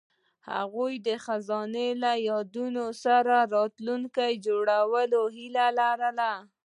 هغوی د خزان له یادونو سره راتلونکی جوړولو هیله لرله.